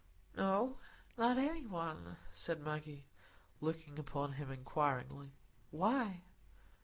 "No, not any one," said Maggie, looking up at him inquiringly. "Why?"